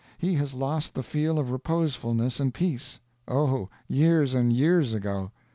He has lost the feel of reposefulness and peace oh, years and years ago!